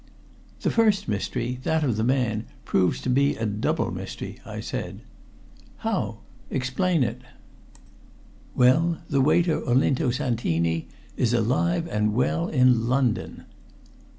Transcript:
"The first mystery that of the man proves to be a double mystery," I said. "How? Explain it." "Well, the waiter Olinto Santini is alive and well in London."